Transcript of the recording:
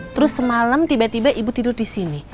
terus semalam tiba tiba ibu tidur di sini